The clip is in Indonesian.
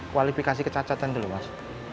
kualifikasi kecacatan itu loh mas